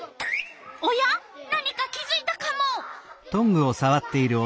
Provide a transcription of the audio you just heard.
おや何か気づいたカモ！